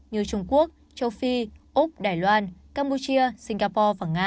như trung quốc châu phi úc đài loan campuchia singapore và nga